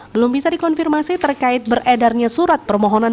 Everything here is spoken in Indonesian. belum bisa dikonfirmasi terkait beredarnya surat permohonan